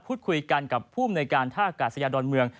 พูดคุยกันกับผู้อำนวยการท่ากาศยาดอนเมือง